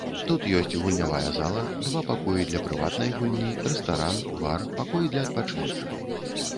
Тут ёсць гульнявая зала, два пакоі для прыватнай гульні, рэстаран, бар, пакой для адпачынку.